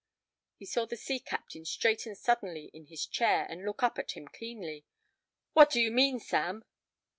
He saw the sea captain straighten suddenly in his chair and look up at him keenly. "What do you mean, Sam?"